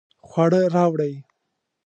خواړه راوړئ